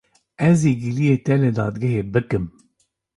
Ez ê giliyê te li dadgehê bikim.